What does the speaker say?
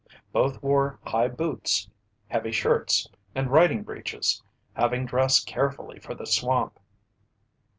Both wore high boots, heavy shirts, and riding breeches, having dressed carefully for the swamp.